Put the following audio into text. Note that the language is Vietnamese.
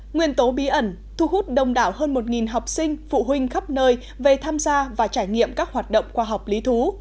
nguyên tố bí ẩn thu hút đông đảo hơn một học sinh phụ huynh khắp nơi về tham gia và trải nghiệm các hoạt động khoa học lý thú